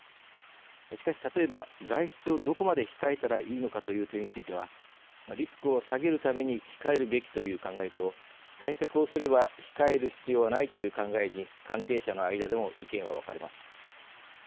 しかし、例えば外出をどこまで控えたらいいのかという点についてはリスクを下げるために控えるべきという考えと対策をすれば控える必要はないという考えに関係者の間でも意見は分かれます。